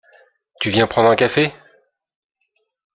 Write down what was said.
Tu viens prendre un café?